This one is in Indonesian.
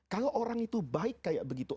kalau orang itu baik kayak begitu